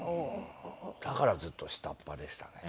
だからずっと下っ端でしたね。